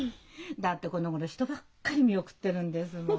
だってこのごろ人ばっかり見送ってるんですもの。